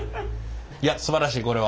いやすばらしいこれは。